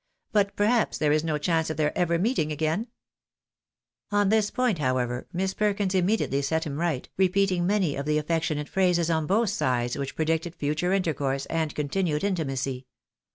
" But, perhaps, there is no chance of their ever meeting again ?" On this point, however, Miss Perkins immediately set him right, repeating many of the affectionate phrases on both sides which pre dicted future intercourse and continued intimacy.